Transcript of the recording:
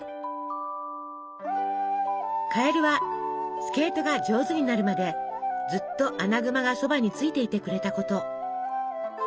カエルはスケートが上手になるまでずっとアナグマがそばについていてくれたこと。